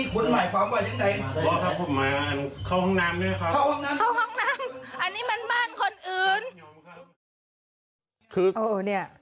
เข้าห้องน้ำเข้าห้องน้ำอันนี้มันบ้านคนอื่นคือเออเนี้ย